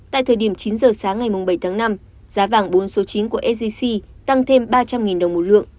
tại thời điểm chín giờ sáng ngày bảy tháng năm giá vàng bốn số chín của sgc tăng thêm ba trăm linh đồng một lượng